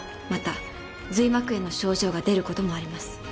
また髄膜炎の症状が出ることもあります。